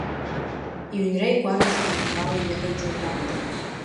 Иҩнра-игәара зегь инапала иҟеиҵаз ракәын…